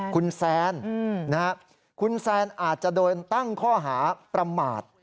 คุณแซนคุณแซนอาจจะโดนตั้งข้อหาประมาท